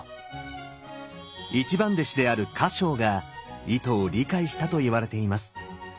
一番弟子である葉が意図を理解したといわれています。